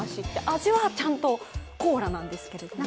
味はちゃんとコーラなんですけれども。